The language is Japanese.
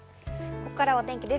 ここからはお天気です。